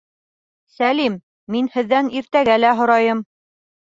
Сәлим, мин һеҙҙән иртәгә лә һорайым